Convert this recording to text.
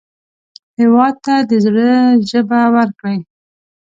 هېواد ته د زړه ژبه ورکړئ